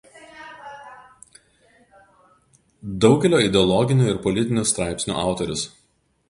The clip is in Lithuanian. Daugelio ideologinių ir politinių straipsnių autorius.